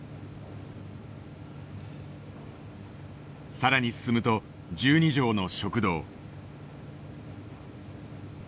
更に進むと１２畳の食堂。